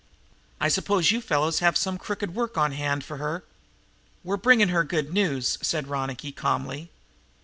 I suppose you fellows have some crooked work on hand for her?" "We're bringing her good news," said Ronicky calmly.